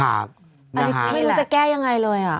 ไม่รู้จะแก้ยังไงเลยอะ